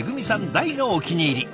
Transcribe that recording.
大のお気に入り。